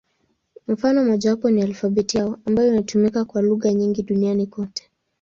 Mfano mmojawapo ni alfabeti yao, ambayo inatumika kwa lugha nyingi duniani kote.